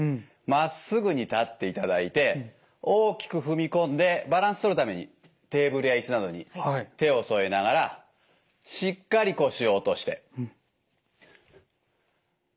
まっすぐに立っていただいて大きく踏み込んでバランスとるためにテーブルやいすなどに手を添えながらしっかり腰を落として戻ります。